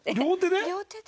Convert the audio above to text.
両手で？